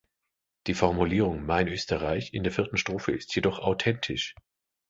Die Formulierung "mein Österreich" in der vierten Strophe ist jedoch authentisch.